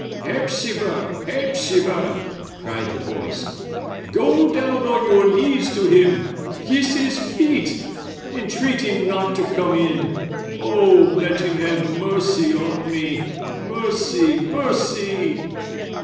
"Hepzibah, Hepzibah!" cried the voice; "go down on your knees to him! Kiss his feet! Entreat him not to come in! Oh, let him have mercy on me! Mercy! mercy!"